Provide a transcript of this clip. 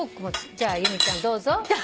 じゃあ由美ちゃんどうぞ。